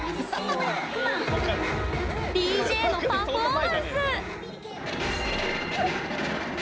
ＤＪのパフォーマンス。